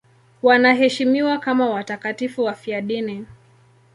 Wanaheshimiwa kama watakatifu wafiadini.